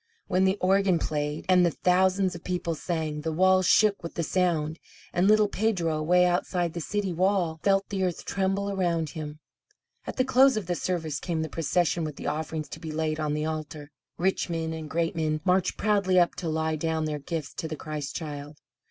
When the organ played and the thousands of people sang, the walls shook with the sound, and little Pedro, away outside the city wall, felt the earth tremble around them. At the close of the service came the procession with the offerings to be laid on the altar. Rich men and great men marched proudly up to lay down their gifts to the Christ Child.